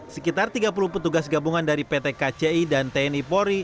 sekitar tiga puluh petugas gabungan dari pt kci dan tni polri